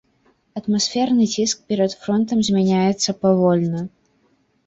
Атмасферны ціск перад фронтам змяняецца павольна.